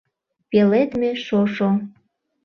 Пеледме шошо